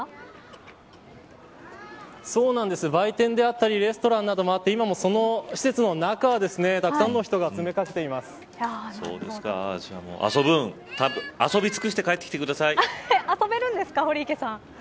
売店であったりレストランなどもあって今も、その施設の中たくさんの人がＡＳＯＢｏｏＮ遊びつくして遊べるんですか、堀池さん。